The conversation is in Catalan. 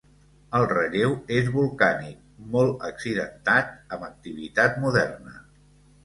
El relleu és volcànic, molt accidentat, amb activitat moderna.